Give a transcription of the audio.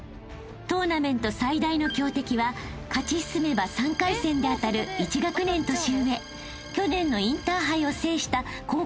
［トーナメント最大の強敵は勝ち進めば３回戦であたる一学年年上去年のインターハイを制した］